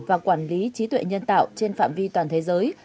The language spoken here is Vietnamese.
và quản lý trí tuệ nhân tạo trên phạm vi toàn thế giới